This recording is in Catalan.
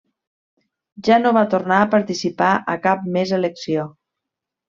Ja no va tornar a participar a cap més elecció.